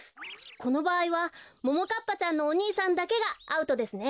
このばあいはももかっぱちゃんのお兄さんだけがアウトですね。